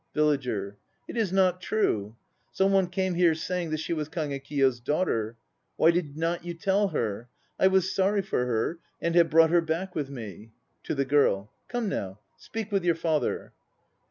[LLAGER. It is not true. Some one came here saying that she was Kagekiyo's daughter. Why did you not tell her? I was sorry for her and have brought her back with me. (To the GIRL.) Come now, speak with your father.